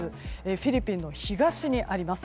フィリピンの東にあります。